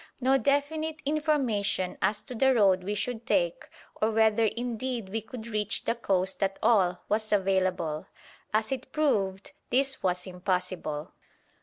No definite information as to the road we should take, or whether indeed we could reach the coast at all, was available. As it proved, this was impossible.